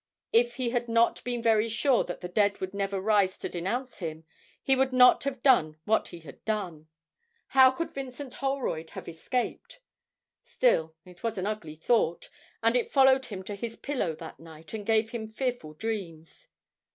If he had not been very sure that the dead would never rise to denounce him, he would not have done what he had done. How could Vincent Holroyd have escaped? Still, it was an ugly thought, and it followed him to his pillow that night and gave him fearful dreams.